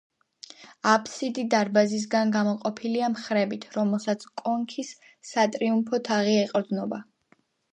აფსიდი დარბაზისგან გამოყოფილია მხრებით, რომელსაც კონქის სატრიუმფო თაღი ეყრდნობა.